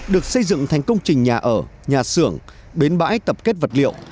được xây dựng thành công trình nhà ở nhà xưởng bến bãi tập kết vật liệu